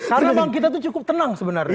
karena bang kita tuh cukup tenang sebenarnya